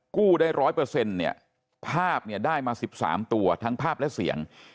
กู้ได้ร้อยเปอร์เซ็นต์เนี่ยภาพเนี่ยได้มา๑๓ตัวทั้งภาพและเสียง